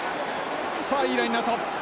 さあいいラインアウト。